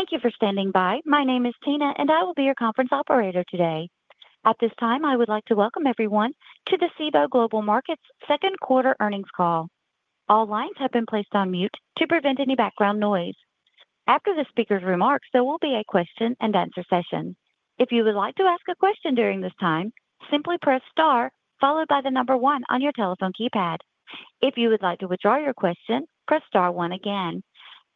``````Thank you for standing by. My name is Tina and I will be your conference operator today. At this time I would like to welcome everyone to the Cboe Global Markets Second Quarter earnings call. All lines have been placed on mute to prevent any background noise. After the speaker's remarks, there will be a question and answer session. If you would like to ask a question during this time, simply press STAR followed by the number one on your telephone keypad. If you would like to withdraw your question, press STAR one again.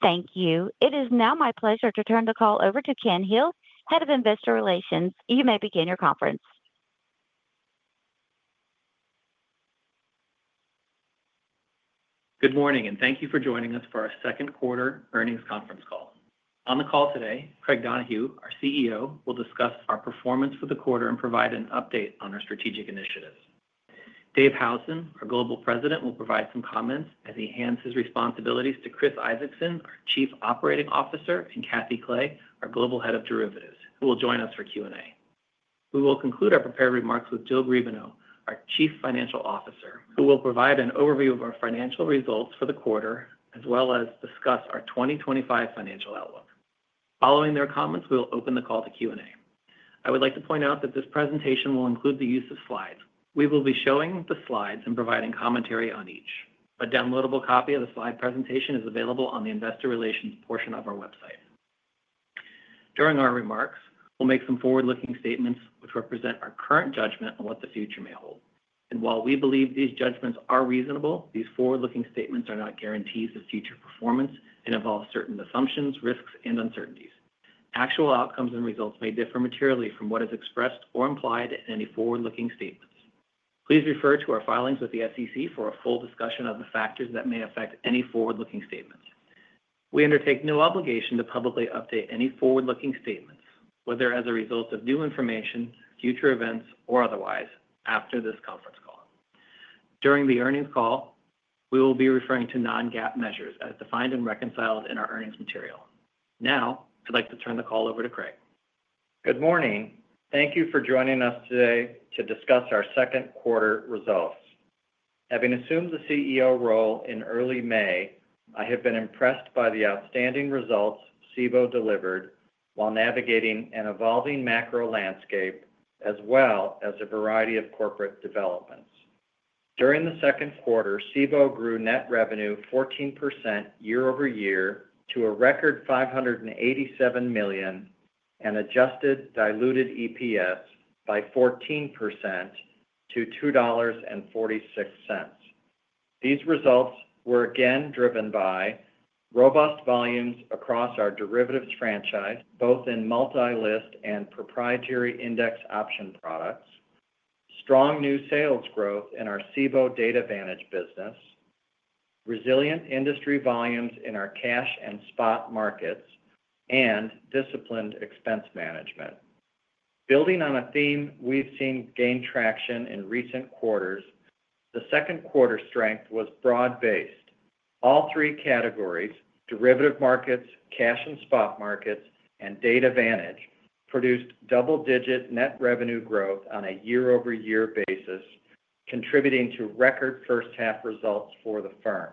Thank you. It is now my pleasure to turn the call over to Ken Hill, Head of Investor Relations. You may begin your conference. Good morning and thank you for joining us for our second quarter earnings conference call. On the call today, Craig Donohue, our CEO, will discuss our performance for the quarter and provide an update on our strategic initiatives. Dave Howson, our Global President, will provide some comments as he hands his responsibilities to Chris Isaacson, our Chief Operating Officer, and Catherine Clay, our Global Head of Derivatives, who will join us for Q&A. We will conclude our prepared remarks with Jill Griebenow, our Chief Financial Officer, who will provide an overview of our financial results for the quarter as well as discuss our 2025 financial outlook. Following their comments, we will open the call to Q and A. I would like to point out that this presentation will include the use of slides. We will be showing the slides and providing commentary on each. A downloadable copy of the slide presentation is available on the Investor Relations portion of our website. During our remarks, we'll make some forward-looking statements which represent our current judgment on what the future may hold. While we believe these judgments are reasonable, these forward-looking statements are not guarantees of future performance and involve certain assumptions, risks, and uncertainties. Actual outcomes and results may differ materially from what is expressed or implied in any forward-looking statements. Please refer to our filings with the SEC for a full discussion of the factors that may affect any forward-looking statements. We undertake no obligation to publicly update any forward-looking statements whether as a result of new information, future events, or otherwise after this conference call. During the earnings call, we will be referring to non-GAAP measures as defined and reconciled in our earnings material. Now I'd like to turn the call over to Craig. Good morning. Thank you for joining us today to discuss our second quarter results. Having assumed the CEO role in early May, I have been impressed by the outstanding results Cboe delivered while navigating an evolving macro landscape as well as a variety of corporate developments. During the second quarter, Cboe Global Markets grew net revenue 14% year over year to a record $587 million and adjusted diluted EPS by 14%-$2.46. These results were again driven by robust volumes across our derivatives franchise both in multi-listed and proprietary index option products, strong new sales growth in our Cboe DataVantage business, resilient industry volumes in our cash and spot markets, and disciplined expense management. Building on a theme we've seen gain traction in recent quarters, the second quarter strength was broad-based. All three categories—derivative markets, cash and spot markets, and DataVantage—produced double-digit net revenue growth on a year-over-year basis, contributing to record first half results for the firm.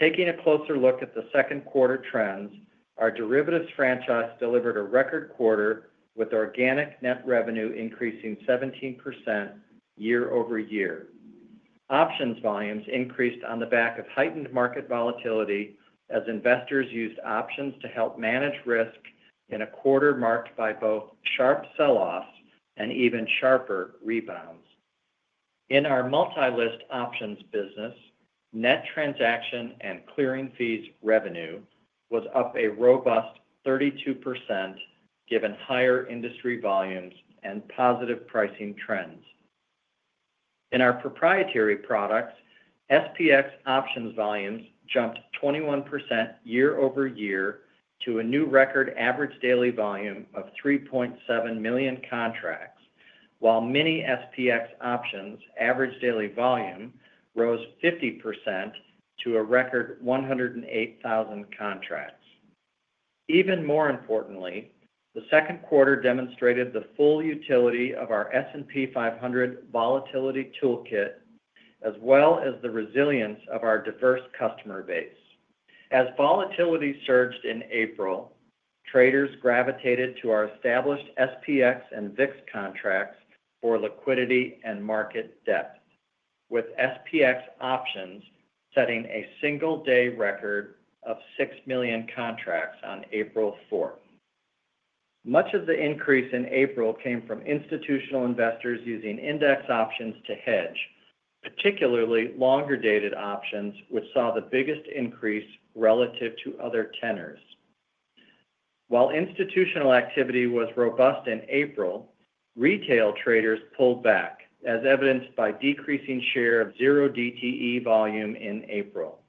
Taking a closer look at the second quarter trends, our derivatives franchise delivered a record quarter with organic net revenue increasing 17% year over year. Options volumes increased on the back of heightened market volatility as investors used options to help manage risk. In a quarter marked by both sharp sell-offs and even sharper rebounds, in our multi-listed options business, net transaction and clearing fees revenue was up a robust 32% given higher industry volumes and positive pricing trends. In our proprietary products, SPX options volumes jumped 21% year over year to a new record average daily volume of 3.7 million contracts, while mini SPX options average daily volume rose 50% to a record 108,000 contracts. Even more importantly, the second quarter demonstrated the full utility of our S&P 500 volatility toolkit as well as the resilience of our diverse customer base. As volatility surged in April, traders gravitated to our established SPX and VIX contracts for liquidity and market depth, with SPX options setting a single-day record of 6 million contracts on April 4. Much of the increase in April came from institutional investors using index options to hedge, particularly longer-dated options, which saw the biggest increase relative to other tenors. While institutional activity was robust in April, retail traders pulled back as evidenced by decreasing share of 0DTE volume in April.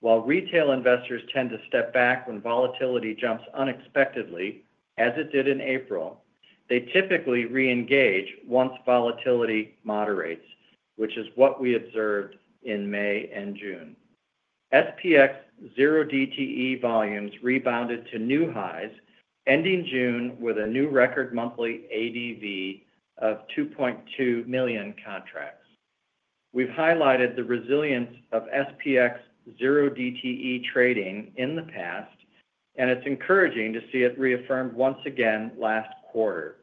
While retail investors tend to step back when volatility jumps unexpectedly as it did in April, they typically re-engage once volatility moderates, which is what we observed in May and June. SPX 0DTE volumes rebounded to new highs, ending June with a new record monthly ADV of 2.2 million contracts. We've highlighted the resilience of SPX 0DTE trading in the past, and it's encouraging to see it reaffirmed once again last quarter.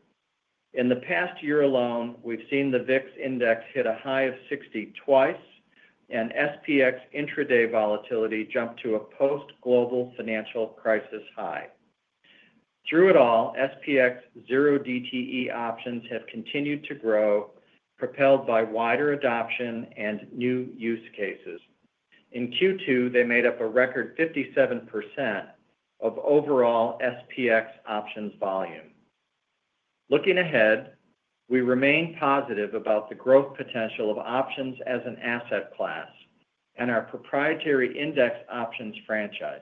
In the past year alone we've seen the VIX index hit a high of 60 twice and SPX intraday volatility jumped to a post global financial crisis high. Through it all, SPX 0DTE options have continued to grow, propelled by wider adoption and new use cases. In Q2, they made up a record 57% of overall SPX options volume. Looking ahead, we remain positive about the growth potential of options as an asset class and our proprietary index options franchise.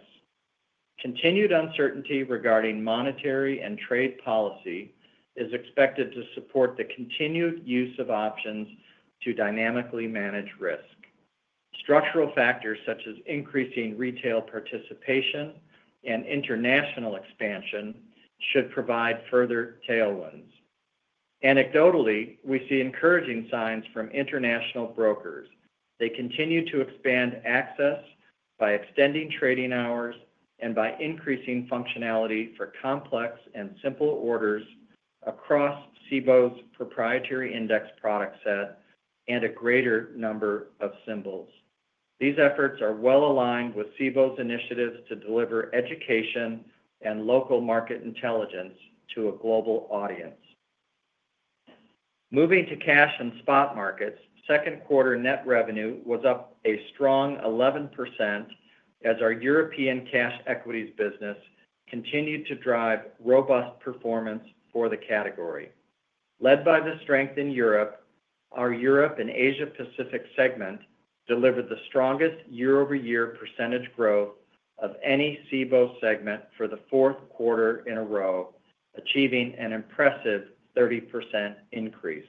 Continued uncertainty regarding monetary and trade policy is expected to support the continued use of options to dynamically manage risk. Structural factors such as increasing retail participation and international expansion should provide further tailwinds. Anecdotally, we see encouraging signs from international brokers. They continue to expand access by extending trading hours and by increasing functionality for complex and simple orders across Cboe's proprietary index product set and a greater number of symbols. These efforts are well aligned with Cboe's initiatives to deliver education and local market intelligence to a global audience. Moving to cash and spot markets, second quarter net revenue was up a strong 11% as our European cash equities business continued to drive robust performance for the category led by the strength in Europe. Our Europe and Asia Pacific segment delivered the strongest year over year percentage growth of any Cboe segment for the fourth quarter in a row, achieving an impressive 30% increase.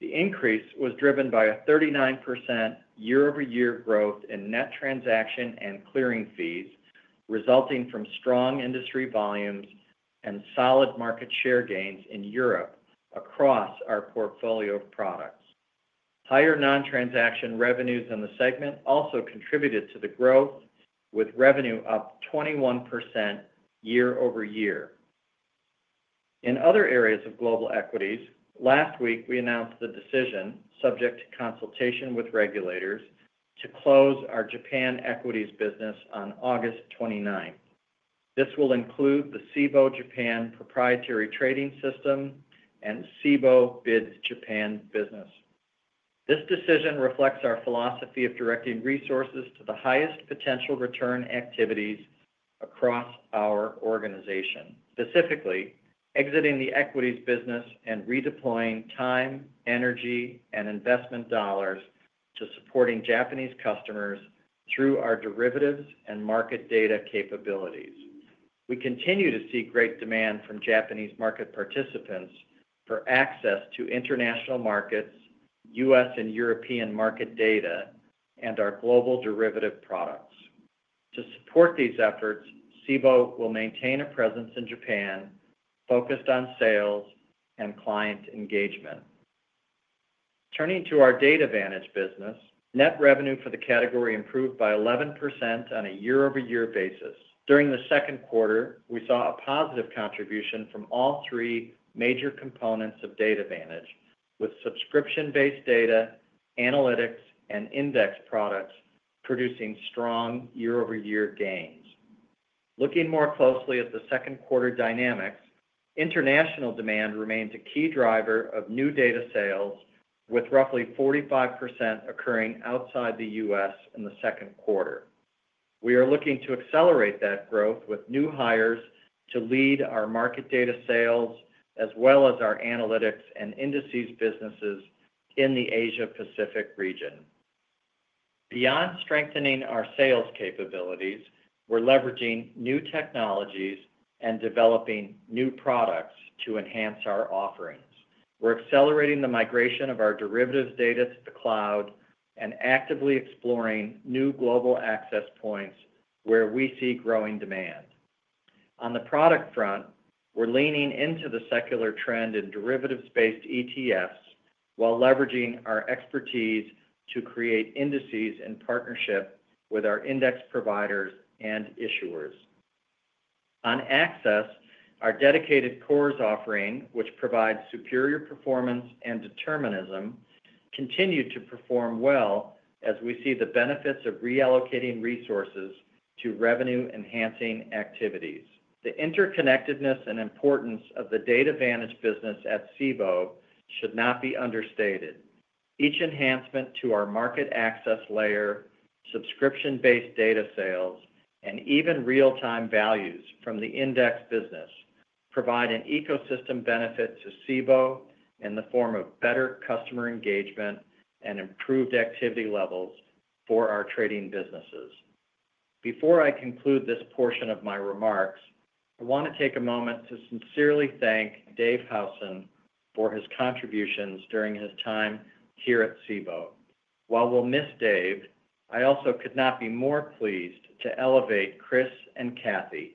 The increase was driven by a 39% year over year growth in net transaction and clearing fees resulting from strong industry volumes and solid market share gains in Europe across our portfolio of products. Higher non-transaction revenues in the segment also contributed to the growth, with revenue up 21% year over year in other areas of global equities. Last week we announced the decision, subject to consultation with regulators, to close our Japan equities business on August 29. This will include the Cboe Japan Proprietary Trading System and Cboe BID Japan business. This decision reflects our philosophy of directing resources to the highest potential return activities across our organization, specifically exiting the equities business and redeploying time, energy, and investment dollars to supporting Japanese customers through our derivatives and market data capabilities. We continue to see great demand from Japanese market participants for access to international markets, U.S. and European market data and our global derivative products. To support these efforts, Cboe Global Markets will maintain a presence in Japan focused on sales and client engagement. Turning to our DataVantage business, net revenue for the category improved by 11% on a year-over-year basis. During the second quarter, we saw a positive contribution from all three major components of DataVantage, with subscription-based data analytics and index products producing strong year-over-year gains. Looking more closely at the second quarter dynamics, international demand remains a key driver of new data sales, with roughly 45% occurring outside the U.S. in the second quarter. We are looking to accelerate that growth with new hires to lead our market data sales as well as our analytics and indices businesses in the Asia Pacific region. Beyond strengthening our sales capabilities, we're leveraging new technologies and developing new products to enhance our offerings. We're accelerating the migration of our derivatives data to the cloud and actively exploring new global access points where we see growing demand. On the product front, we're leaning into the secular trend in derivatives-based ETFs while leveraging our expertise to create indices in partnership with our index providers and issuers. On access, our dedicated CORS offering, which provides superior performance and determinism, continued to perform well as we see the benefits of reallocating resources into revenue-enhancing activities. The interconnectedness and importance of the DataVantage business at Cboe Global Markets should not be understated. Each enhancement to our market access layer, subscription-based data sales, and even real-time values from the index business provide an ecosystem benefit to Cboe Global Markets in the form of better customer engagement and improved activity levels for our trading businesses. Before I conclude this portion of my remarks, I want to take a moment to sincerely thank Dave Howson for his contributions during his time here at Cboe. While we'll miss Dave, I also could not be more pleased to elevate Chris and Catherine,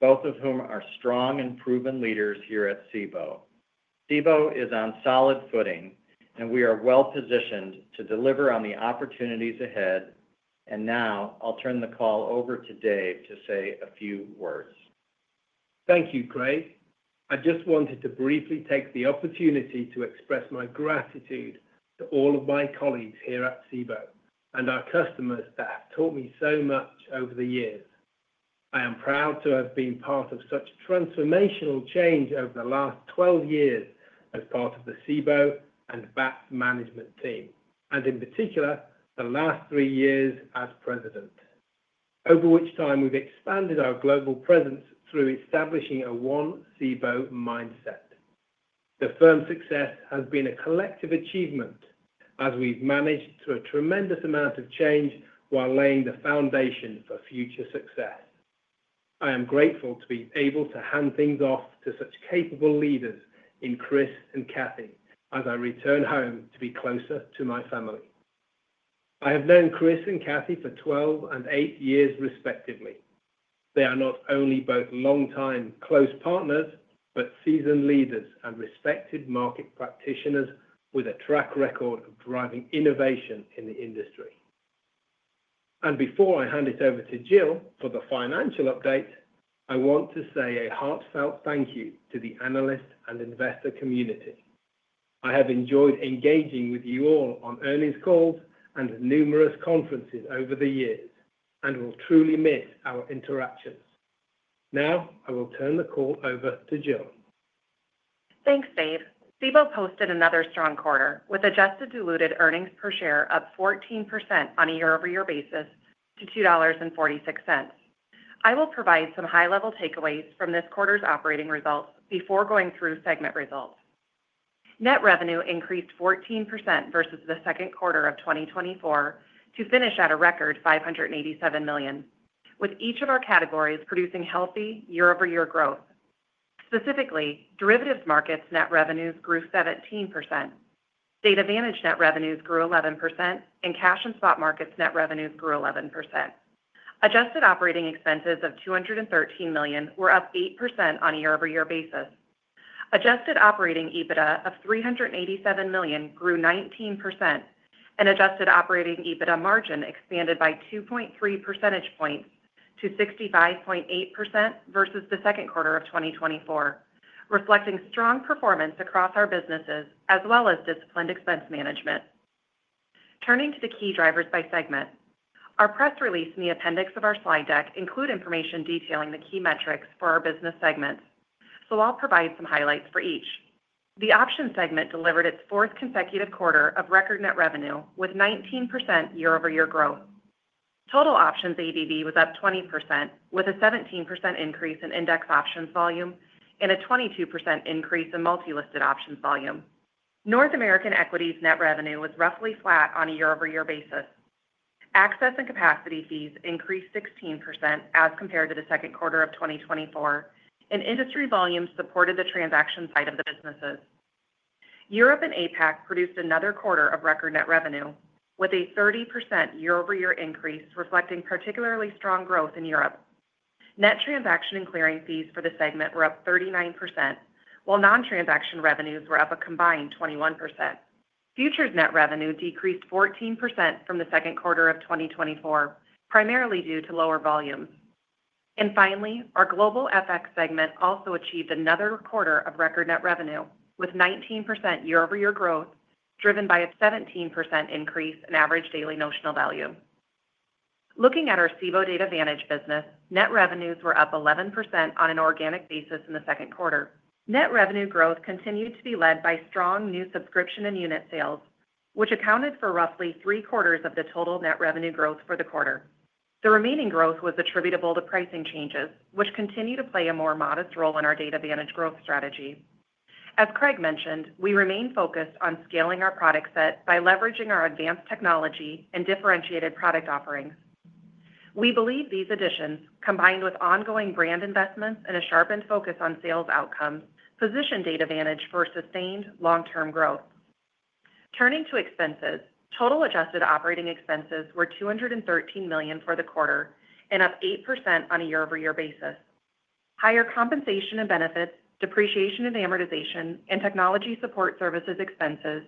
both of whom are strong and proven leaders here at Cboe Global Markets. Cboe Global Markets is on solid footing and we are well positioned to deliver on the opportunities ahead. Now I'll turn the call over to Dave to say a few words. Thank you, Craig. I just wanted to briefly take the opportunity to express my gratitude to all of my colleagues here at Cboe and our customers that have taught me so much over the years. I am proud to have been part of such transformational change over the last 12 years as part of the Cboe Global Markets and BATS management team, and in particular the last three years as President, over which time we've expanded our global presence through establishing a One Cboe mindset. The firm's success has been a collective achievement as we've managed through a tremendous amount of change while laying the foundation for future success. I am grateful to be able to hand things off to such capable leaders Chris and Catherine as I return home to be closer to my family. I have known Chris and Catherine for 12 and 8 years, respectively. They are not only both long-time close partners, but seasoned leaders and respected market practitioners with a track record of driving innovation in the industry. Before I hand it over to Jill for the financial update, I want to say a heartfelt thank you to the analyst and investor community. I have enjoyed engaging with you all on earnings calls and numerous conferences over the years and will truly miss our interactions. Now I will turn the call over to Jill. Thanks Dave. Cboe posted another strong quarter with adjusted diluted EPS up 14% on a year-over-year basis to $2.46. I will provide some high-level takeaways from this quarter's operating results before going through segment results. Net revenue increased 14% versus the second quarter of 2024 to finish at a record $587 million, with each of our categories producing healthy year-over-year growth. Specifically, derivatives markets net revenues grew 17%, DataVantage net revenues grew 11%, and cash and spot markets net revenues grew 11%. Adjusted operating expenses of $213 million were up 8% on a year-over-year basis. Adjusted operating EBITDA of $387 million grew 19%, and adjusted operating EBITDA margin expanded by 2.3 percentage points to 65.8% versus the second quarter of 2024, reflecting strong performance across our businesses as well as disciplined expense management. Turning to the key drivers by segment, our press release and the appendix of our slide deck include information detailing the key metrics for our business segments, so I'll provide some highlights for each. The options segment delivered its fourth consecutive quarter of record net revenue with 19% year-over-year growth. Total options ABV was up 20% with a 17% increase in index options volume and a 22% increase in multi-listed options volume. North American equities net revenue was roughly flat on a year-over-year basis. Access and capacity fees increased 16% as compared to the second quarter of 2024, and industry volumes supported the transaction side of the businesses. Europe and APAC produced another quarter of record net revenue with a 30% year-over-year increase, reflecting particularly strong growth in Europe. Net transaction and clearing fees for the segment were up 39%, while non-transaction revenues were up a combined 21%. Futures net revenue decreased 14% from the second quarter of 2024, primarily due to lower volumes. Finally, our Global FX segment also achieved another quarter of record net revenue with 19% year-over-year growth, driven by a 17% increase in average daily notional value. Looking at our Cboe DataVantage business, net revenues were up 11% on an organic basis in the second quarter. Net revenue growth continued to be led by strong new subscription and unit sales, which accounted for roughly three-quarters of the total net revenue growth for the quarter. The remaining growth was attributable to pricing changes, which continue to play a more modest role in our DataVantage growth strategy. As Craig mentioned, we remain focused on scaling our product set by leveraging our advanced technology and differentiated product offerings. We believe these additions, combined with ongoing brand investments and a sharpened focus on sales outcomes, position DataVantage for sustained long-term growth. Turning to expenses, total adjusted operating expenses were $213 million for the quarter and up 8% on a year-over-year basis. Higher compensation and benefits, depreciation and amortization, and technology support services expenses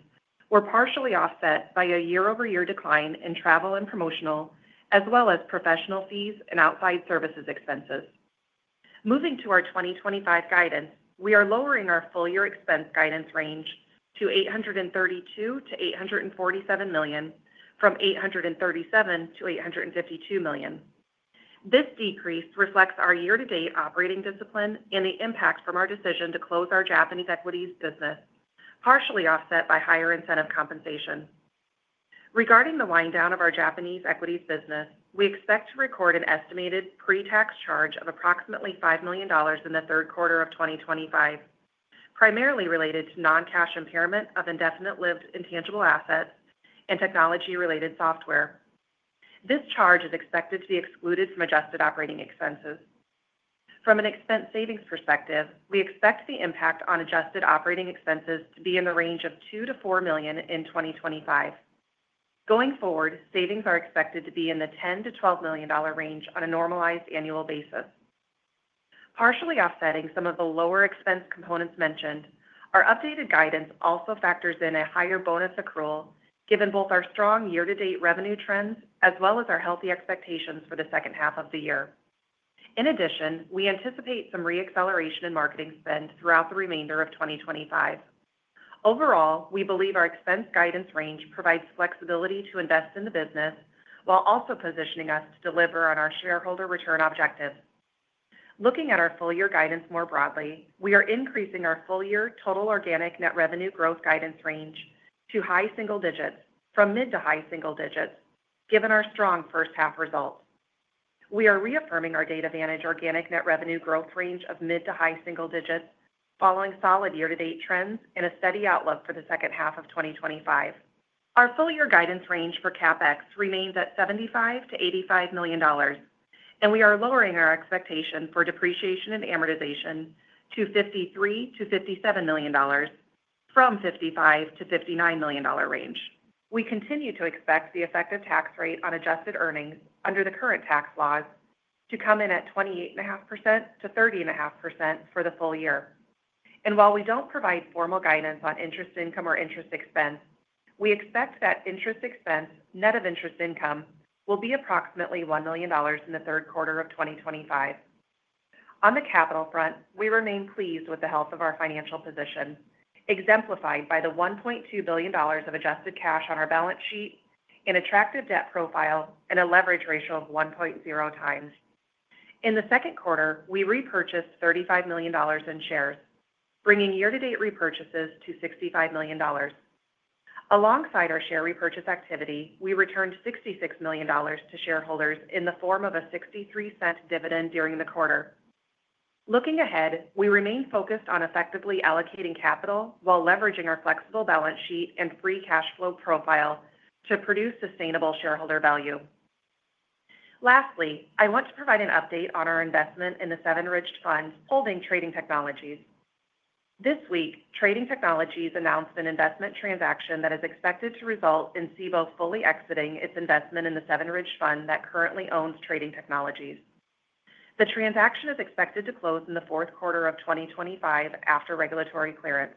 were partially offset by a year-over-year decline in travel and promotional as well as professional fees and outside services expenses. Moving to our 2025 guidance, we are lowering our full-year expense guidance range to $832 to $847 million from $837 to $852 million. This decrease reflects our year-to-date operating discipline and the impact from our decision to close our Japanese equities business, partially offset by higher incentive compensation. Regarding the wind down of our Japanese equities business, we expect to record an estimated pre-tax charge of approximately $5 million in the third quarter of 2025, primarily related to non-cash impairment of indefinite-lived intangible assets and technology-related software. This charge is expected to be excluded from adjusted operating expenses. From an expense savings perspective, we expect the impact on adjusted operating expenses to be in the range of $2 to $4 million in 2025. Going forward, savings are expected to be in the $10 to $12 million range on a normalized annual basis, partially offsetting some of the lower expense components mentioned. Our updated guidance also factors in a higher bonus accrual given both our strong year-to-date revenue trends as well as our healthy expectations for the second half of the year. In addition, we anticipate some reacceleration in marketing spend throughout the remainder of 2025. Overall, we believe our expense guidance range provides flexibility to invest in the business while also positioning us to deliver on our shareholder return objectives. Looking at our full-year guidance more broadly, we are increasing our full-year total organic net revenue growth guidance range to high single digits from mid to high single digits. Given our strong first half results, we are reaffirming our DataVantage organic net revenue growth range of mid to high single digits following solid year to date trends and a steady outlook for the second half of 2025. Our full year guidance range for CapEx remains at $75 million-$85 million, and we are lowering our expectation for depreciation and amortization to $53 million-$57 million from the $55 million -$59 million range. We continue to expect the effective tax rate on adjusted earnings under the current tax laws to come in at 28.5% to 30.5% for the full year. While we don't provide formal guidance on interest income or interest expense, we expect that interest expense net of interest income will be approximately $1 million in the third quarter of 2025. On the capital front, we remain pleased with the health of our financial position exemplified by the $1.2 billion of adjusted cash on our balance sheet, an attractive debt profile, and a leverage ratio of 1.0 times. In the second quarter, we repurchased $35 million in shares, bringing year to date repurchases to $65 million. Alongside our share repurchase activity, we returned $66 million to shareholders in the form of a $0.63 dividend during the quarter. Looking ahead, we remain focused on effectively allocating capital while leveraging our flexible balance sheet and free cash flow profile to produce sustainable shareholder value. Lastly, I want to provide an update on our investment in the Seven Ridge Fund holding Trading Technologies. This week, Trading Technologies announced an investment transaction that is expected to result in Cboe fully exiting its investment in the Seven Ridge Fund that currently owns Trading Technologies. The transaction is expected to close in the fourth quarter of 2025 after regulatory clearance.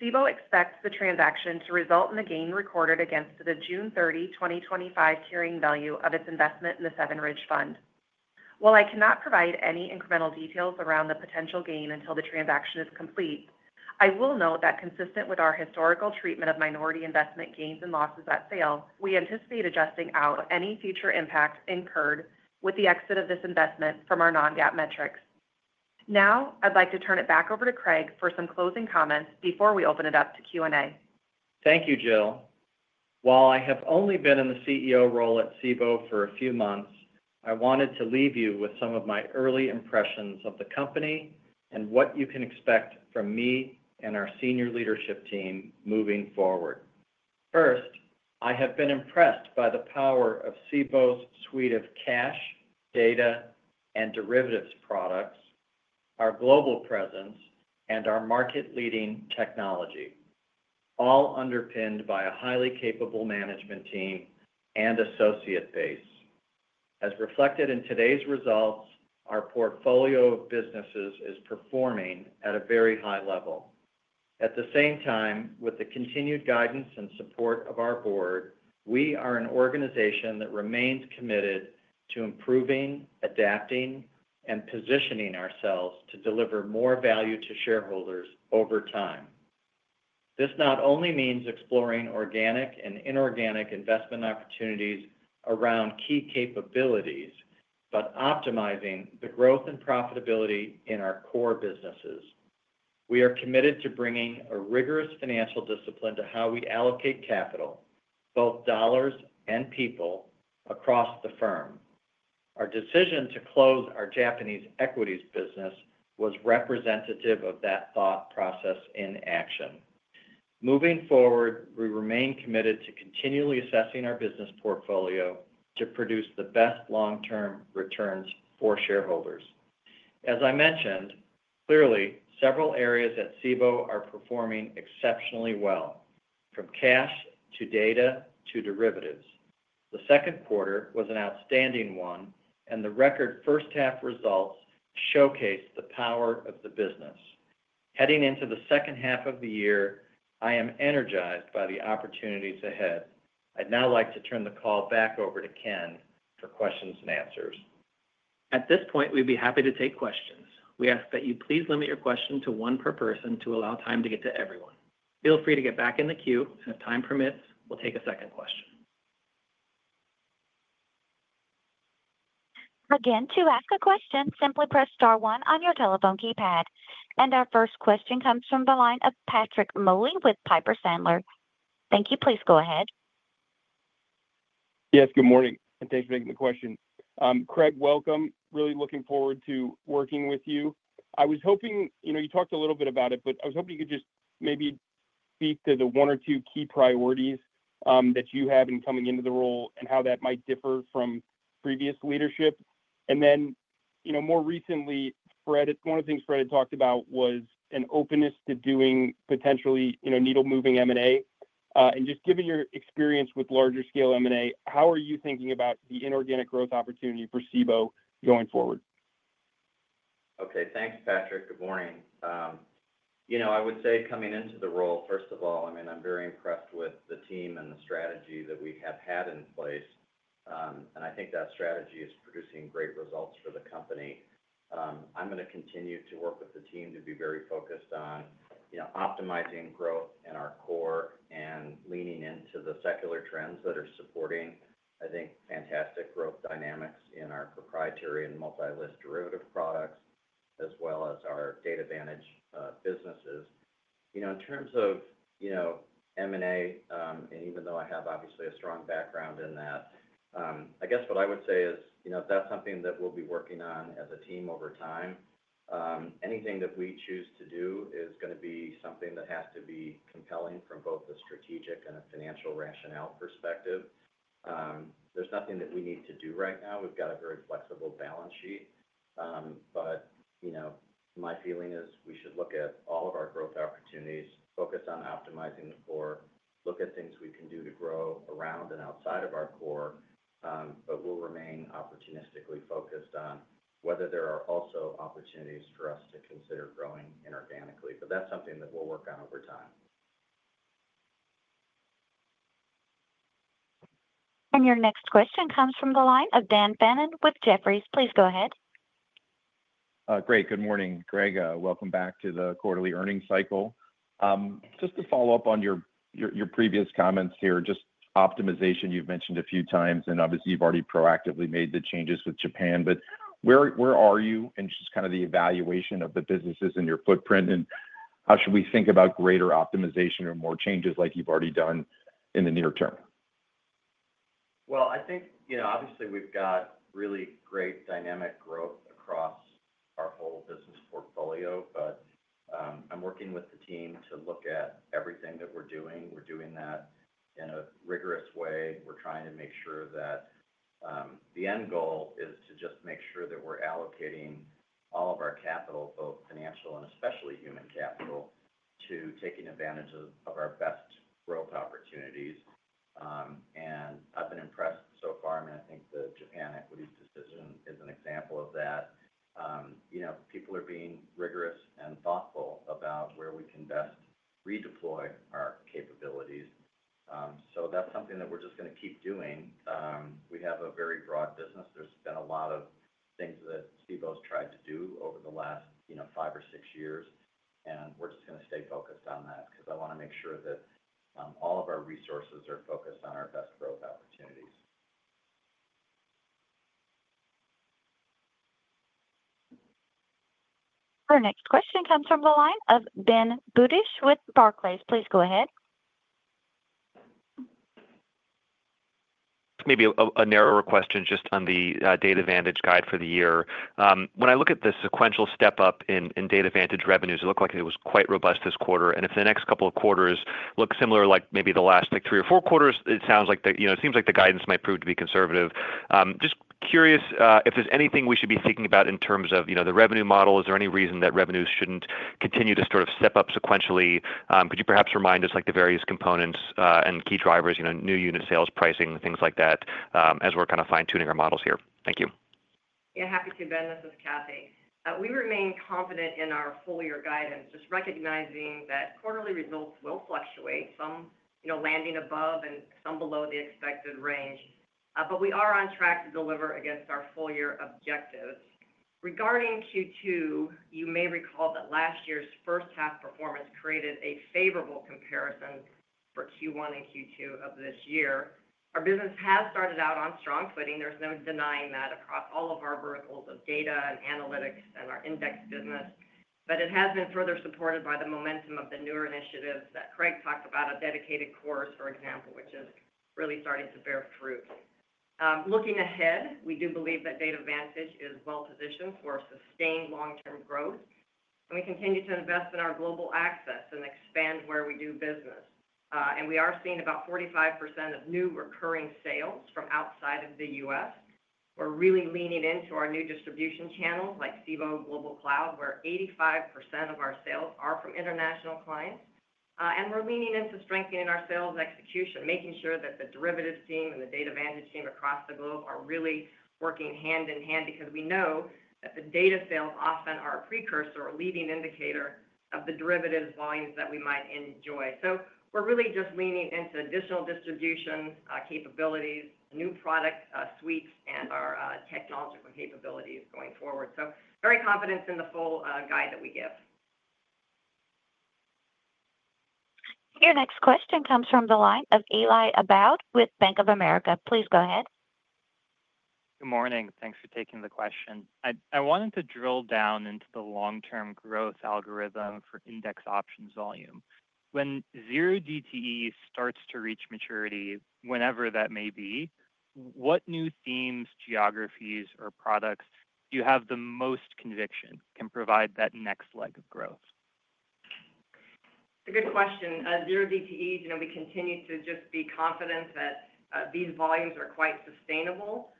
Cboe expects the transaction to result in the gain recorded against the June 30, 2025 carrying value of its investment in the Seven Ridge Fund. While I cannot provide any incremental details around the potential gain until the transaction is complete, I will note that consistent with our historical treatment of minority investment gains and losses at sale, we anticipate adjusting out any future impacts incurred with the exit of this investment from our non-GAAP metrics. Now I'd like to turn it back over to Craig for some closing comments before we open it up to Q&A. Thank you, Jill. While I have only been in the CEO role at Cboe for a few months, I wanted to leave you with some of my early impressions of the company and what you can expect from me and our Senior Leadership Team moving forward. First, I have been impressed by the power of Cboes' suite of cash, data, and derivatives products, our global presence, and our market-leading technology, all underpinned by a highly capable management team and associate base. As reflected in today's results, our portfolio of businesses is performing at a very high level. At the same time, with the continued guidance and support of our Board, we are an organization that remains committed to improving, adapting, and positioning ourselves to deliver more value to shareholders over time. This not only means exploring organic and inorganic investment opportunities around key capabilities, but optimizing the growth and profitability in our core businesses. We are committed to bringing a rigorous financial discipline to how we allocate capital, both dollars and people, across the firm. Our decision to close our Japanese equities business was representative of that thought process in action. Moving forward, we remain committed to continually assessing our business portfolio to produce the best long-term returns for shareholders. As I mentioned, clearly several areas at Cboe are performing exceptionally well, from cash to data to derivatives. The second quarter was an outstanding one, and the record first half results showcase the power of the business. Heading into the second half of the year, I am energized by the opportunities ahead. I'd now like to turn the call back over to Ken for questions and answers. At this point, we'd be happy to take questions. We ask that you please limit your question to one per person to allow time to get to everyone. Feel free to get back in the queue, and if time permits, we'll take a second question. To ask a question, simply press star one on your telephone keypad. Our first question comes from the line of Patrick Moley with Piper Sandler. Thank you. Please go ahead. Yes, good morning and thanks for taking the question. Craig, welcome. Really looking forward to working with you. I was hoping, you know, you talked a little bit about it, but I was hoping you could just maybe speak to the one or two key priorities that you have in coming into the role and how that might differ from previous leadership. More recently, Fred, one of the things Fred had talked about was an openness to doing potentially needle moving M&A. Just given your experience with larger scale M&A, how are you thinking about the inorganic growth opportunity for Cboe going forward? Okay, thanks. Patrick, good morning. I would say coming into the role, first of all, I mean, I'm very impressed with the team and the strategy that we have had in place and I think that strategy is producing great results for the company. I'm going to continue to work with the team to be very focused on optimizing growth in our core and leaning into the secular trends that are supporting, I think, fantastic growth dynamics in our proprietary and multi-listed derivatives products as well as our DataVantage businesses. In terms of M&A, even though I have obviously a strong background in that, I guess what I would say is that's something that we'll be working on as a team over time. Anything that we choose to do is going to be something that has to be compelling from both the strategic and a financial rationale perspective. There's nothing that we need to do right now. We've got a very flexible balance sheet. My feeling is we should look at all of our growth opportunities, focus on optimizing the core, look at things we can do to grow around and outside of our core. We'll remain opportunistically focused on whether there are also opportunities for us to consider growing inorganically. That's something that we'll work on over time. Your next question comes from the line of Dan Fannon with Jefferies. Please go ahead. Great. Good morning, Craig. Welcome back to the quarterly earnings cycle. Just to follow up on your previous comments here, just optimization you've mentioned a few times and obviously you've already proactively made the changes with Japan, where are you in the evaluation of the businesses in your footprint and how should we think about greater optimization or more changes like you've already done in the near term? I think obviously we've got really great dynamic growth across our whole business portfolio. I'm working with the team to look at everything that we're doing. We're doing that in a rigorous way. We're trying to make sure that the end goal is to just make sure that we're allocating all of our capital, both financial and especially human capital, to taking advantage of our best growth opportunities. I've been impressed so far. I think the Japan equities is an example of that. People are being rigorous and thoughtful about where we can best redeploy our capabilities. That's something that we're just going to keep doing. We have a very broad business. There's been a lot of things that Cboe has tried to do over the last five or six years and we're just going to stay focused on that because I want to make sure that all of our resources are focused on our best growth opportunities. Our next question comes from the line of Ben Budish with Barclays. Please go ahead. Maybe a narrower question just on the DataVantage guide for the year. When I look at the sequential step up in DataVantage revenues, it looked like it was quite robust this quarter. If the next couple of quarters look similar, like maybe the last three or four quarters, it sounds like, you know, it seems like the guidance might prove to be conservative. Just curious if there's anything we should be thinking about in terms of the revenue model. Is there any reason that revenues shouldn't continue to step up sequentially? Could you perhaps remind us the various components and key drivers, new unit sales, pricing, things like that, as we're fine tuning our models here. Thank you. Happy to, Ben, this is Cathy. We remain confident in our full year guidance, just recognizing that quarterly results will fluctuate, some landing above and some below the expected range, but we are on track to deliver against our full year objectives. Regarding Q2, you may recall that last year's first half performance created a favorable comparison for Q1 and Q2 of this year. Our business has started out on strong footing. There's no denying that across all of our verticals of data and analytics and our index business. It has been further supported by the momentum of the newer initiatives that Craig talked about, a dedicated quarter for example, which is really starting to bear fruit. Looking ahead, we do believe that DataVantage is well positioned for sustained long term growth. We continue to invest in our global access and expand where we do business. We are seeing about 45% of new recurring sales from outside of the U.S. We're really leaning into our new distribution channels like Cboe Global Cloud where 85% of our sales are from international clients. We're leaning into strengthening our sales execution, making sure that the derivatives team and the DataVantage team across the globe are really working hand in hand because we know that the data sales often are a precursor or leading indicator of the derivatives volumes that we might enjoy. We're really just leaning into additional distribution capabilities, new product suites, and our technological capabilities going forward. Very confident in the full guide that we give. Your next question comes from the line of Eli Abboud with Bank of America. Please go ahead. Good morning. Thanks for taking the question. I wanted to drill down into the long-term growth algorithm for index options volume. When 0DTE starts to reach maturity, whenever that may be, what new themes, geographies, or products you have the most conviction can provide that next leg of growth? Good question, 0DTE. We continue to just be confident that these volumes are quite sustainable.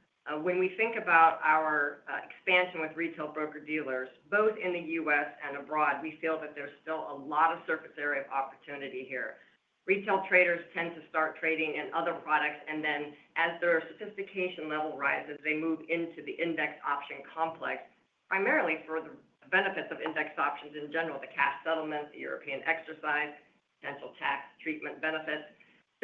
When we think about our expansion with retail broker dealers both in the U.S. and abroad, we feel that there's still a lot of surface area of opportunity here. Retail traders tend to start trading in other products, and then as their sophistication level rises, they move into the index option complex primarily for the benefits of index options in general: the cash settlement, the European exercise, potential tax treatment benefits.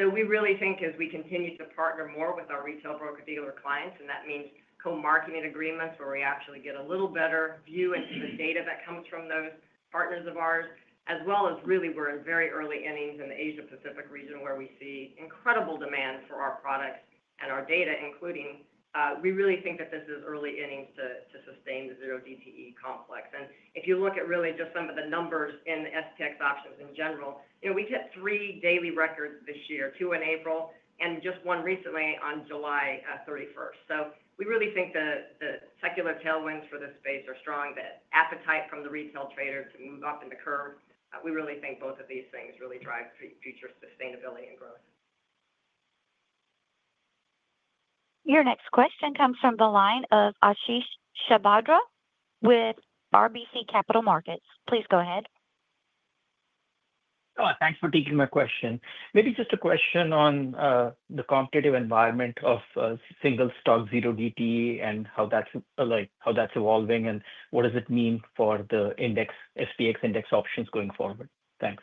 We really think as we continue to partner more with our retail broker dealer clients, and that means co-marketing agreements where we actually get a little better view into the data that comes from those partners of ours, as well as really we're in very early innings in the Asia-Pacific region where we see incredible demand for our products and our data, including we really think that this is early innings to sustain the zero DTE complex. If you look at really just some of the numbers in SPX options in general, you know, we hit three daily records this year, two in April and just one recently on July 31. We really think the secular tailwinds for this space are strong, that appetite from the retail trader to move up in the curve. We really think both of these things really drive future sustainability and growth. Your next question comes from the line of Ashish Sabadra with RBC Capital Markets. Please go ahead. Thanks for taking my question. Maybe just a question on the competitive environment of single stock zero DTE and how that's like, how that's evolving and what does it mean for the index SPX options going forward. Thanks.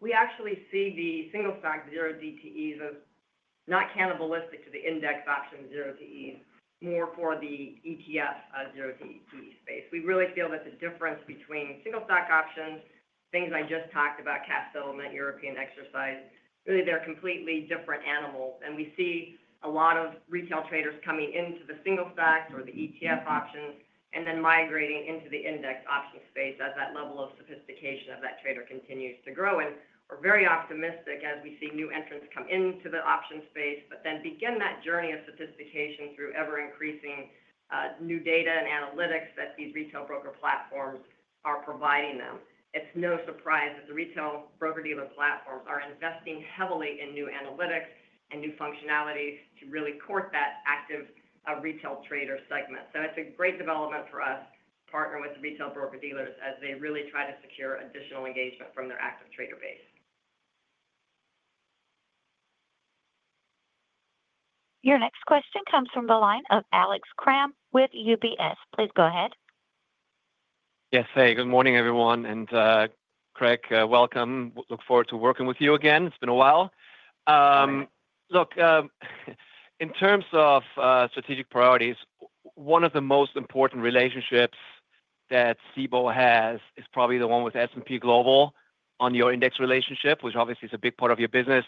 We actually see the single stock 0DTEs as not cannibalistic to the index option 0DTEs, more for the ETF 0DTE space. We really feel that the difference between single stock options, things I just talked about, cash settlement, European exercise, really, they're completely different animals. We see a lot of retail traders coming into the single stocks or the ETF options and then migrating into the index option space as that level of sophistication of that trader continues to grow. We're very optimistic as we see new entrants come into the option space, then begin that journey of sophistication through ever-increasing new data and analytics that these retail broker platforms are providing them. It's no surprise that the retail broker-dealer platforms are investing heavily in new analytics and new functionalities to really court that active retail trader segment. It's a great development for us to partner with retail broker-dealers as they really try to secure additional engagement from their active trader base. Your next question comes from the line of Alex Kramm with UBS. Please go ahead. Yes. Hey, good morning everyone and Craig, welcome. Look forward to working with you again. It's been a while. In terms of strategic priorities, one of the most important relationships that Cboe Global Markets has is probably the one with S&P Dow Jones Indices on your index relationship, which obviously is a big part of your business.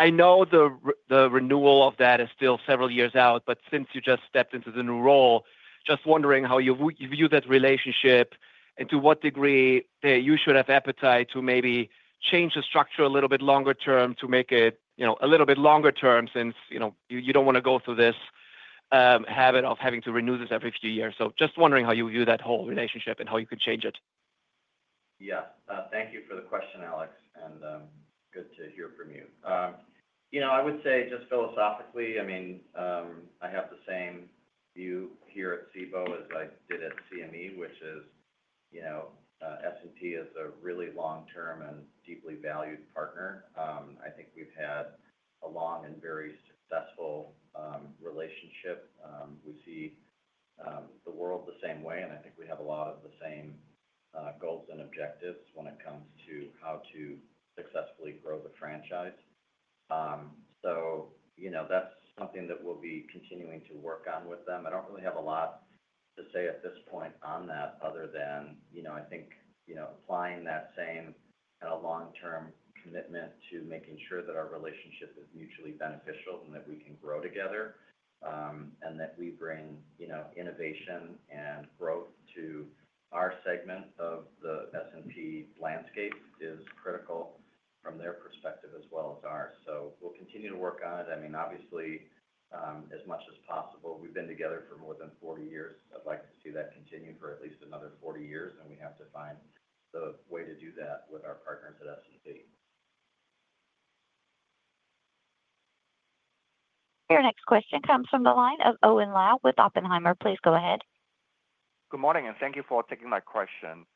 I know the renewal of that is still several years out, but since you just stepped into the new role, just wondering how you view that relationship and to what degree you should have appetite to maybe change the structure a little bit longer term to make it, you know, a little bit longer term since, you know, you don't want to go through this habit of having to renew this every few years. Just wondering how you view that whole relationship and how you could change it? Thank you for the question, Alex, and good to hear from you. I would say just philosophically, I have the same view here at Cboe Global Markets as I did at CME, which is S&P Dow Jones Indices is a really long term and deeply valued partner. I think we've had a long and very successful relationship. We see the world the same way and I think we have a lot of the same goals and objectives when it comes to how to successfully grow the franchise. That's something that we'll be continuing to work on with them. I don't really have a lot to say at this point on that other than I think applying that same kind of long term commitment to making sure that our relationship is mutually beneficial and that we can grow together and that we bring innovation and growth to our segment of the S&P landscape is critical from their perspective as well as ours. We'll continue to work on it. Obviously, as much as possible. We've been together for more than 40 years. I'd like to see that continue for at least another 40 years. We have to find the way to do that with our partners at S&P Dow Jones Indices. Your next question comes from the line of Owen Lau with Oppenheimer. Please go ahead. Good morning and thank you for taking my question.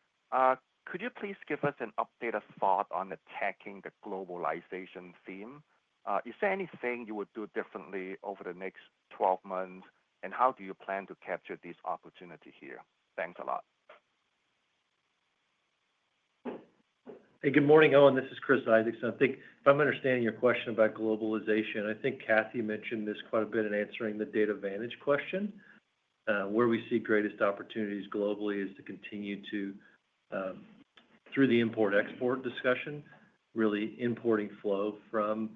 Could you please give us an updated thought on attacking the globalization theme? Is there anything you would do differently over the next 12 months and how do you plan to capture this opportunity here? Thanks a lot. Hey, good morning, Owen. This is Chris Isaacson. I think if I'm understanding your question about globalization, I think Catherine mentioned this quite a bit in answering the DataVantage question. Where we see greatest opportunities globally is to continue to, through the import export discussion, really importing flow from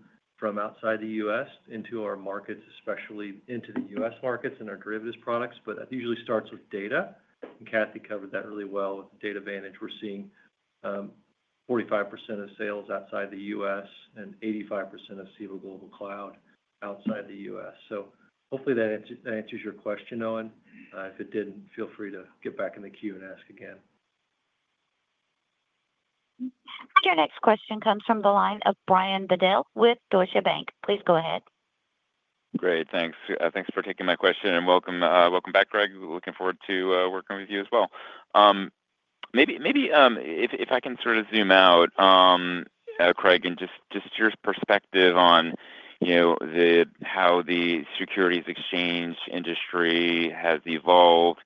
outside the U.S. into our markets, especially into the U.S. markets and our derivatives products. That usually starts with data. Catherine covered that really well with DataVantage. We're seeing 45% of sales outside the U.S. and 85% of civil global cloud outside the U.S., so hopefully that answers your question, Owen. If it didn't, feel free to get back in the queue and ask again. Your next question comes from the line of Brian Bedell with Deutsche Bank. Please go ahead. Great, thanks. Thanks for taking my question and welcome back, Craig. Looking forward to working with you as well. Maybe if I can sort of zoom out, Craig, and just your perspective on how the securities exchange industry has evolved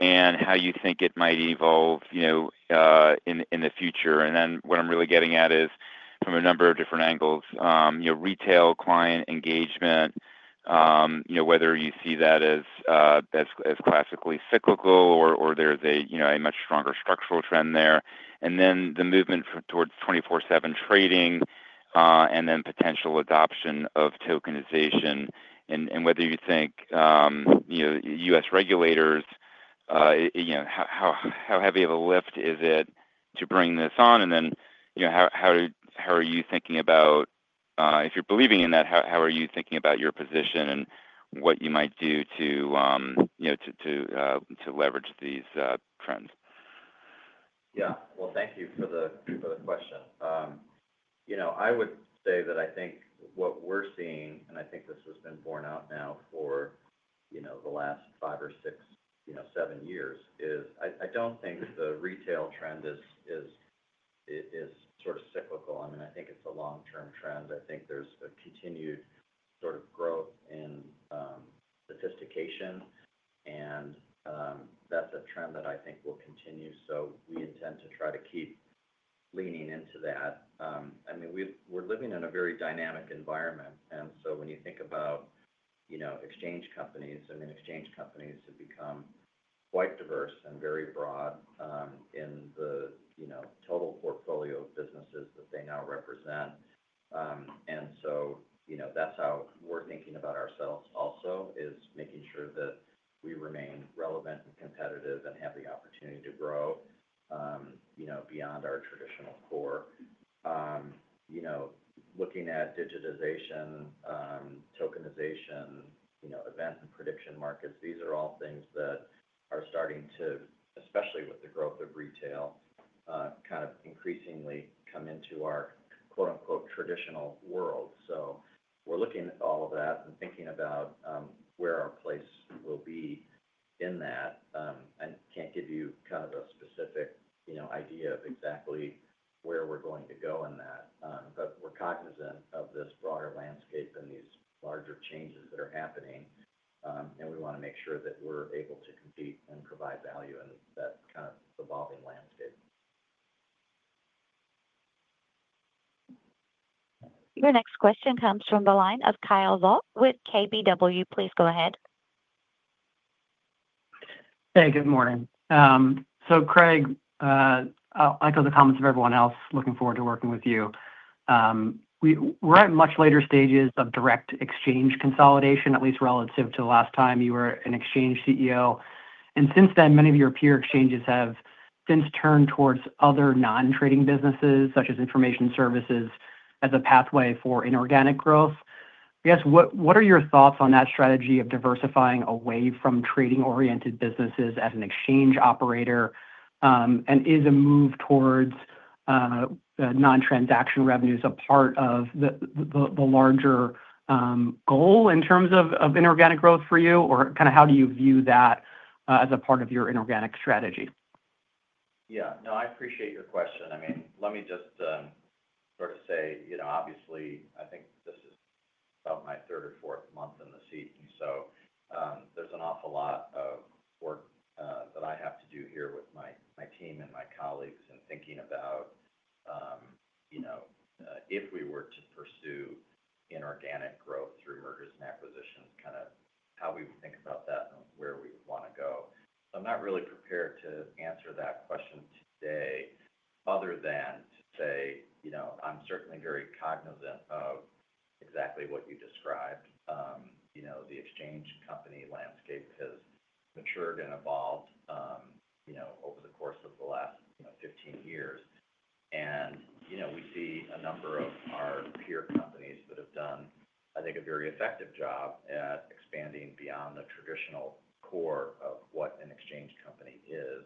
and how you think it might evolve in the future. What I'm really getting at is from a number of different angles, retail client engagement, whether you see that as classically cyclical or there's a much stronger structural trend there, and then the movement towards 24/7 trading and then potential adoption of tokenization and whether you think U.S. regulators, how heavy of a lift is it to bring this on. How are you thinking about if you're believing in that, how are you thinking about your position and what you might do to leverage these trends? Yeah, thank you for the question. I would say that I think what we're seeing, and I think this has been borne out now for the last five or six, you know, seven years, is I don't think the retail trend is sort of cyclical. I mean, I think it's a long-term trend. I think there's a continued sort of growth in sophistication and that's a trend that I think will continue. We intend to try to keep leaning into that. I mean, we're living in a very dynamic environment. When you think about exchange companies, I mean, exchange companies have become quite diverse and very broad in the total portfolio of businesses that they now represent. That's how we're thinking about ourselves also, making sure that we remain relevant and competitive and have the opportunity to grow beyond our traditional core. Looking at digitization, tokenization, event and prediction markets, these are all things that are starting to, especially with the growth of retail, kind of increasingly come into our quote, unquote traditional world. We're looking at all of that and thinking about where our place will be in that. I can't give you kind of a specific idea of exactly where we're going to go in that, but we're cognizant of this broader landscape and these larger changes that are happening. We want to make sure that we're able to compete and provide value in that kind of evolving landscape. Your next question comes from the line of Kyle Voigt with KBW. Please go ahead. Hey, good morning. Craig, I'll echo the comments of everyone else. Looking forward to working with you. We're at much later stages of direct. Exchange consolidation, at least relative to the. Last time you were an exchange CEO. Since then, many of your peer exchanges have turned towards other non-trading businesses, such as information services, as a pathway for inorganic growth. Yes. What are your thoughts on that strategy of diversifying away from trading-oriented businesses as an exchange operator? Is a move towards non-transaction revenues a part of the larger goal? In terms of inorganic growth for you, how do you view it? that as a part of your inorganic strategy? Yeah, no, I appreciate your question. I mean, let me just sort of say, obviously I think this is about my third or fourth month in the CEO seat, so there's an awful lot of work that I have to do here with my team and my colleagues and thinking about, if we were to pursue inorganic growth through mergers and acquisitions, kind of how we think about that and where we want to go. I'm not really prepared to answer that question today other than to say, I'm certainly very cognizant of exactly what you described. The exchange company landscape has matured and evolved over the course of the last 15 years. We see a number of our peer companies that have done, I think, a very effective job at expanding beyond the traditional core of what an exchange company is.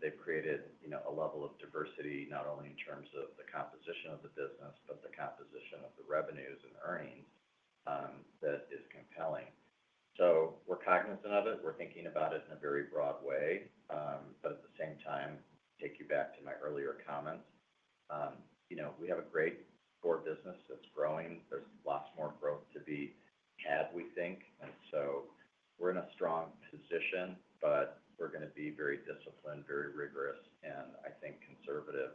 They've created a level of diversity not only in terms of the composition of the business, but the composition of the revenues and earnings that is compelling. We're cognizant of it, we're thinking about it in a very broad way. At the same time, take you back to my earlier comments. We have a great core business that's growing, there's lots more growth to be had, we think. We're in a strong position, but we're going to be very disciplined, very rigorous and I think conservative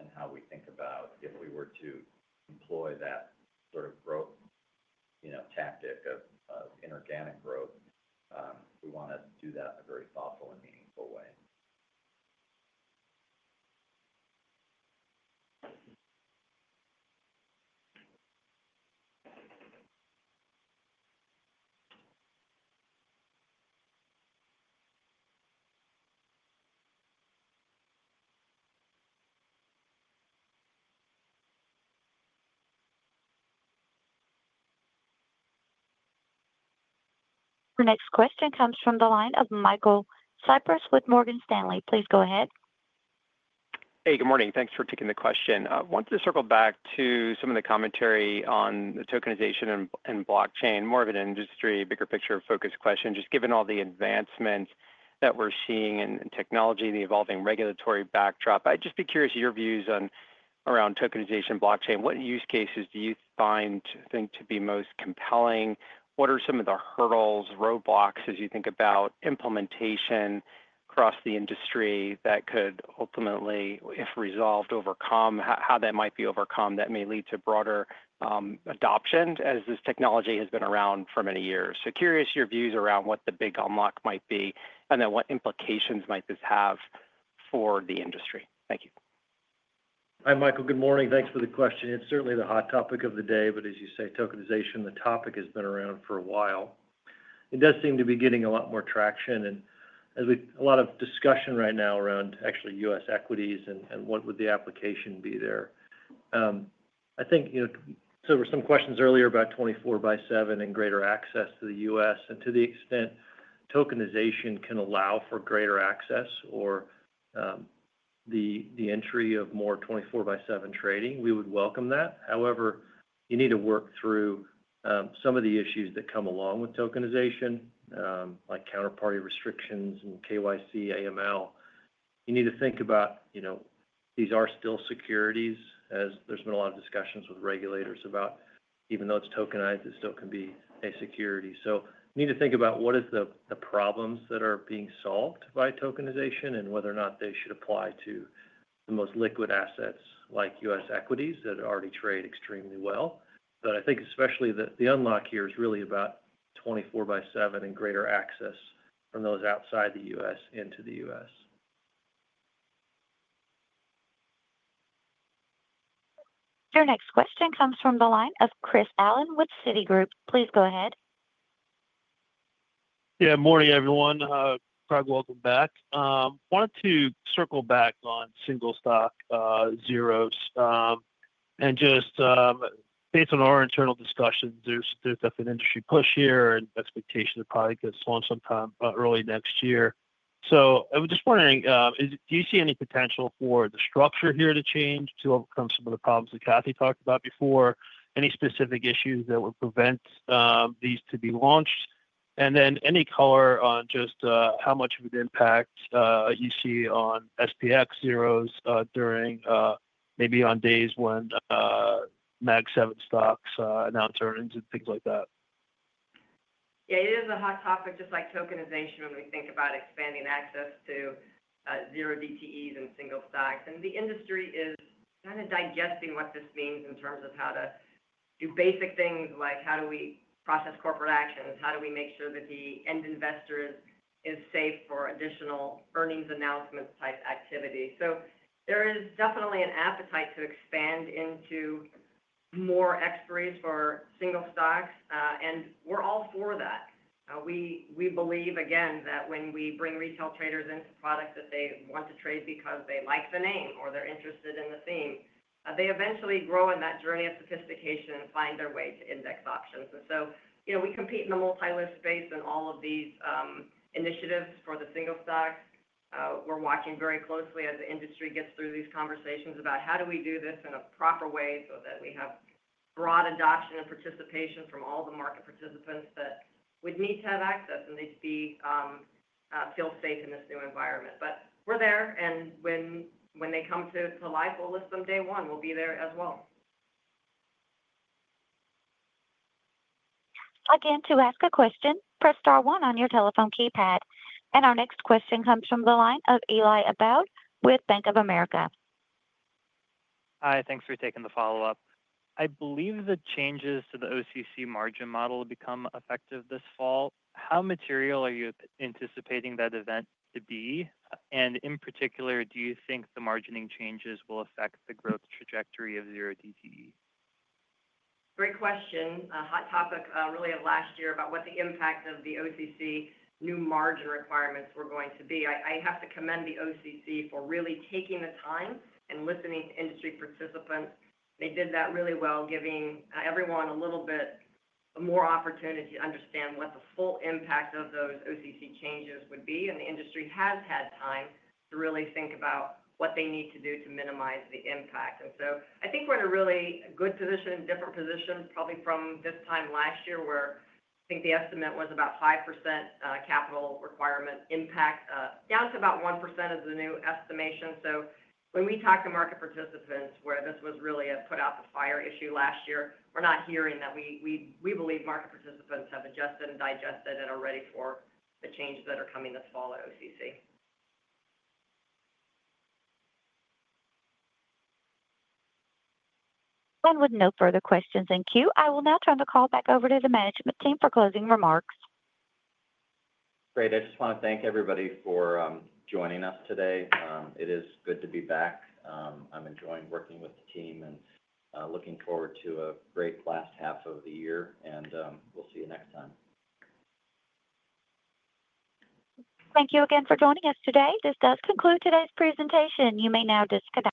in how we think about if we were to employ that sort of growth tactic of inorganic growth, we want to do that in a very thoughtful and meaningful bullet. Our next question comes from the line of Michael Cyprys with Morgan Stanley. Please go ahead. Hey, good morning. Thanks for taking the question. Want to circle back to some of the commentary on the tokenization and blockchain, more of an industry bigger picture focused question. Just given all the advancements that we're seeing in technology, the evolving regulatory backdrop, I'd just be curious your views on around tokenization, blockchain. What use cases do you think, find thing to be most compelling? What are some of the hurdles, roadblocks, as you think about implementation across the industry that could ultimately, if resolved, overcome how that might be overcome that may lead to broader adoption as this technology has been around for many years. Curious your views around what the big unlock might be and then what implications might this have for the industry. Thank you. Hi Michael, good morning. Thanks for the question. It's certainly the hot topic of the day. As you say, tokenization, the topic has been around for a while. It does seem to be getting a lot more traction and there is a lot of discussion right now around actually U.S. equities and what would the application be there? I think there were some questions earlier about 24 by 7 and greater access to the U.S., and to the extent tokenization can allow for greater access or the entry of more 24 by 7 trading, we would welcome that. However, you need to work through some of the issues that come along with tokenization like counterparty restrictions and KYC AML. You need to think about, you know, these are still securities as there's been a lot of discussions with regulators about even though it's tokenized, it still can be a security. Need to think about what is the problems that are being solved by tokenization and whether or not they should apply to the most liquid assets like U.S. equities that already trade extremely well. I think especially that the unlock here is really about 24 by 7 and greater access from those outside the U.S. into the U.S. Your next question comes from the line of Chris Allen with Citigroup. Please go ahead. Yeah. Morning everyone. Craig, welcome back. Wanted to circle back on single stock zeros and just based on our internal discussions, there's definitely an industry push here and expectation it probably gets launched sometime early next year. I was just wondering do you see any potential for the structure here to change to overcome some of the problems that Cathy talked about before, and any specific issues that would prevent these to be launched, and then any color on just how much of an impact you see on SPX Zeros during maybe on days when Mag 7 stocks announce earnings and things like that. Yeah, it is a hot topic. Just like tokenization when we think about expanding access to zero DTEs and single stocks, and the industry is kind of digesting what this means in terms of how to do basic things like how do we process corporate actions, how do we make sure that the end investor is safe for additional earnings announcements type activity. There is definitely an appetite to expand into more expiries for single stocks and we're all for that. We believe again that when we bring retail traders into product that they want to trade because they like the name or they're interested in the theme, they eventually grow in that journey of sophistication and find their way to index options. You know we compete in the multi-listed space and all of these initiatives for the single stock, we're watching very closely as the industry gets through these conversations about how do we do this in a proper way so that we have broad adoption and participation from all the market participants that would need to have access and they'd feel safe in this new environment. We're there and when they come to life we'll list them day one, we'll be there as well. Again, to ask a question, press Star one on your telephone keypad and our next question comes from the line of Eli Abowd with Bank of America. Hi, thanks for taking the follow up. I believe the changes to the OCC margin model become effective this fall. How material are you anticipating that event to be? In particular, do you think the margining changes will affect the growth trajectory of zero DTE? Great question. A hot topic really of last year about what the impact of the OCC new margin requirements were going to be. I have to commend the OCC for really taking the time and listening to industry participants. They did that really well, giving everyone a little bit more opportunity to understand what the full impact of those OCC changes would be. The industry has had time to really think about what they need to do to minimize the impact. I think we're in a really good position, different position probably from this time last year where I think the estimate was about 5% capital requirement impact down to about 1% is the new estimation. When we talk to market participants where this was really a put out the fire issue last year, we're not hearing that. We believe market participants have adjusted and digested and are ready for the changes that are coming this fall at OCC. With no further questions in queue, I will now turn the call back over to the management team for closing remarks. Great. I just want to thank everybody for joining us today. It is good to be back. I'm enjoying working with the team and looking forward to a great last half of the year. We'll see you next time. Thank you again for joining us today. This does conclude today's presentation. You may now disconnect.